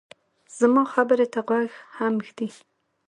زما خبرې ته غوږ هم ږدې